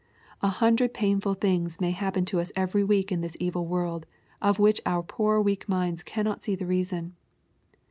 *' A hundred painful things may happen to us every week in this evil world, of which our poor weak minds cannot see the reason.